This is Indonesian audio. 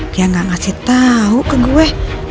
dia gak ngasih tahu ke gue